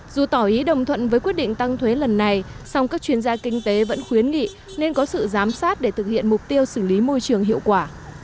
dù tỏ ý đồng thuận với quyết định tăng thuế lần này song các chuyên gia kinh tế vẫn khuyến nghị nên có sự giám sát để thực hiện mục tiêu xử lý môi trường hiệu quả